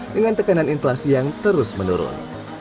dengan tekanan inflasi yang terus menurun